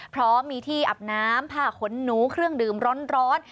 พร้อมมีที่อาบน้ำผ้าขนหนูเครื่องดื่มร้อน